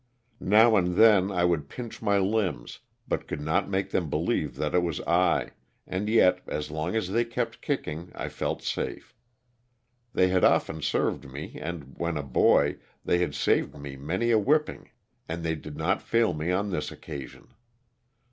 Now and then I would pinch my 23 ^ LOSS OF THE SULTANA. limbs but could not make them believe that it was I, and yet, as long as they kept kicking, I felt safe. They had often served me and, when a boy, they had saved me many a whipping and they did not fail me on this occasion.